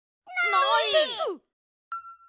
ないです！